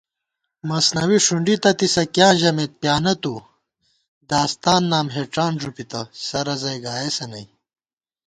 مثنَوی ݭُنڈِی تہ تِسہ، کِیاں ژَمېت پِیانہ تُو * داستان نام ہېڄان ݫُوپِتہ، سرَزَئی گائیسہ نئ